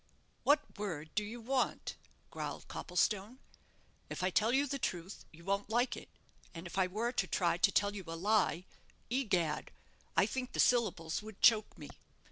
"What word do you want?" growled Copplestone. "If I tell you the truth, you won't like it; and if I were to try to tell you a lie, egad! I think the syllables would choke me.